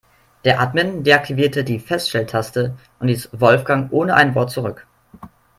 Der Admin deaktivierte die Feststelltaste und ließ Wolfgang ohne ein Wort zurück.